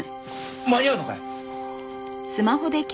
間に合うのか？